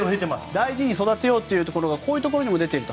大事に育てようというところがこういうところにも出ていると。